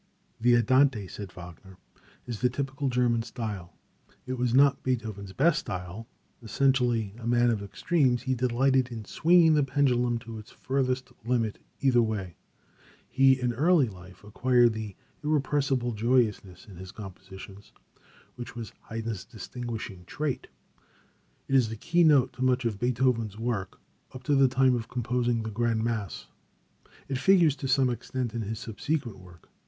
"The Andante" said Wagner "is the typical German style." It was not Beethoven's best style. Essentially a man of extremes, he delighted in swinging the pendulum to its furthest limit either way. He early in life acquired the irrepressible joyousness in his compositions, which was Haydn's distinguishing trait. It is the key note to much of Beethoven's work up to the time of composing the Grand Mass. It figures to some extent in his subsequent work.